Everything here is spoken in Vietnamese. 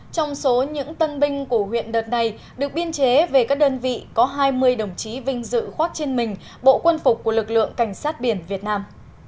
trong số những tân binh của huyện đợt này được biên chế về các đơn vị có hai mươi đồng chí vinh dự khoác trên mình bộ quân phục của lực lượng cảnh sát biển việt nam